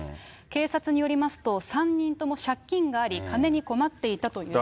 警察によりますと、３人とも借金があり、金に困っていたということ。